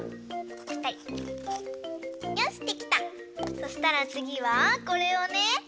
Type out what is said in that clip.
そしたらつぎはこれをね